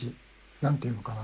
何て言うのかな